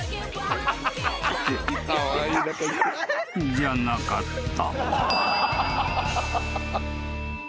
［じゃなかった］